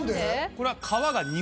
これは。